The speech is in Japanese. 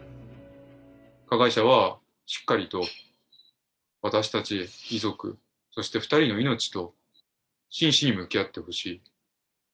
加害者は、しっかりと私たち遺族、そして２人の命と真摯に向き合ってほしい。